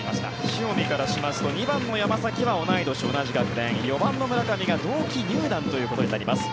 塩見からしますと２番の山崎は同い年４番の村上は同期入団ということになります。